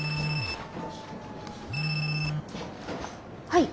はい。